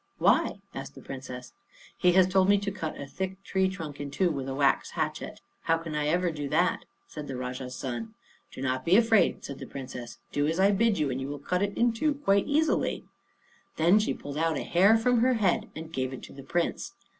"Why?" asked the Princess. "He has told me to cut a thick tree trunk in two with a wax hatchet. How can I ever do that?" said the Rajah's son. "Do not be afraid," said the Princess; "do as I bid you, and you will cut it in two quite easily." Then she pulled out a hair from her head and gave it to the Prince.